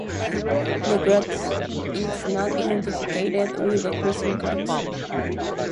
The cross is not identified with the Christian cross.